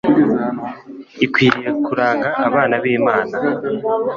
ikwiriye kuranga abana bImana